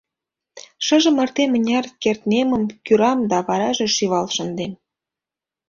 Шыже марте мыняр кертмемым кӱрам да вараже шӱвал шындем.